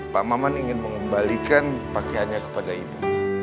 pak maman ingin mengembalikan pakaiannya kepada ibu